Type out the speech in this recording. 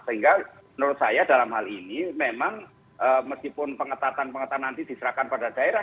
sehingga menurut saya dalam hal ini memang meskipun pengetatan pengetatan nanti diserahkan pada daerah